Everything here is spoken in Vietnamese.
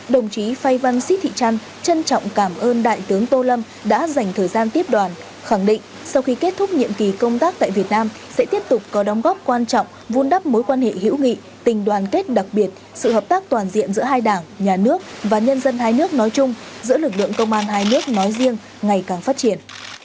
đồng chí phay văn sít thị trăn trân trọng cảm ơn đại tướng tô lâm đã dành thời gian tiếp đoàn khẳng định sau khi kết thúc nhiệm kỳ công tác tại việt nam sẽ tiếp tục có đóng góp quan trọng vun đắp mối quan hệ hữu nghị tình đoàn kết đặc biệt sự hợp tác toàn diện giữa hai đảng nhà nước và nhân dân hai nước nói chung giữa lực lượng công an hai nước nói riêng ngày càng phát triển